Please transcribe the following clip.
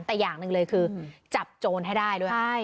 แต่อย่างหนึ่งเลยคือจับโจรให้ได้ด้วย